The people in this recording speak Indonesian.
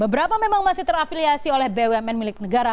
beberapa memang masih terafiliasi oleh bumn milik negara